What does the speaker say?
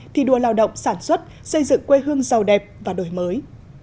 thi đua lao động sản xuất xây dựng quê hương giàu đẹp và đổi mới